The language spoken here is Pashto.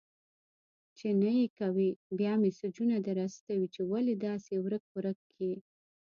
چي نې کوې، بيا مسېجونه در استوي چي ولي داسي ورک-ورک يې؟!